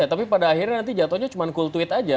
tapi pada akhirnya nanti jatuhnya cuma cool tweet aja